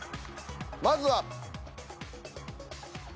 まずは。